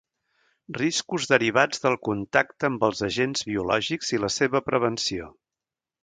Riscos derivats del contacte amb els agents biològics i la seva prevenció.